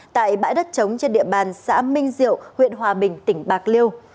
tại bãi đất trống trên địa bàn xã minh diệu huyện hòa bình tỉnh bạc liêu